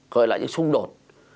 gợi lại những xung đột